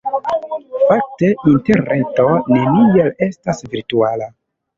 Fakte Interreto neniel estas virtuala.